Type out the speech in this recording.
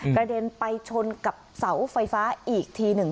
กระเด็นไปชนกับเสาไฟฟ้าอีกทีหนึ่ง